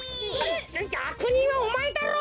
あくにんはおまえだろう！